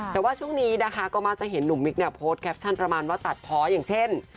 แต่ว่าช่วงนี้นะคะก็มักจะเห็นหนุ่มมิ๊กเนี่ยโพสต์แคปชั่นประมาณว่าตัดเพาะอย่างเช่น